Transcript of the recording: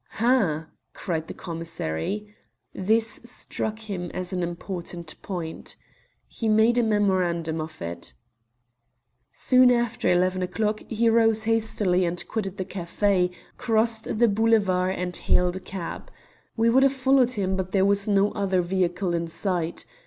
"Ha!" cried the commissary. This struck him as an important point. He made a memorandum of it. "Soon after eleven o'clock he rose hastily and quitted the café, crossed the Boulevard, and hailed a cab. We would have followed him, but there was no other vehicle in sight.